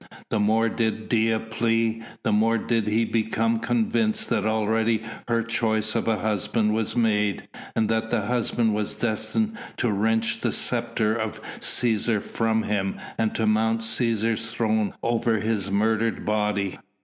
The more did Dea plead, the more did he become convinced that already her choice of a husband was made, and that that husband was destined to wrench the sceptre of Cæsar from him and to mount Cæsar's throne over his murdered body.